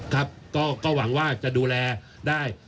ครับก็หวังว่าจะดูแลได้